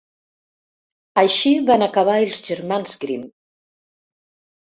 Així van acabar els germans Grimm.